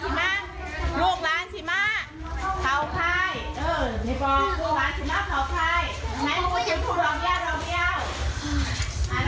เอาล่ะนี่เอานั่งลง